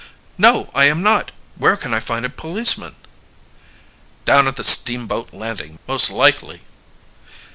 "No, I am not. Where can I find a policeman?" "Down at the steamboat landing, most likely."